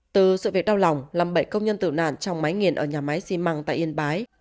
từ sự việc đau lòng lâm bậy công nhân tự nạn trong máy nghiền ở nhà máy xi măng tại yên bái